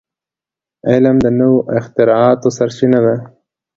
علم د نوو اختراعاتو سرچینه ده.